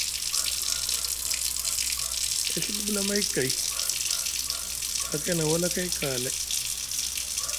E Ɵiɓi ɓlamay kay, falakay na walakay kaalay.